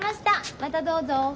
またどうぞ。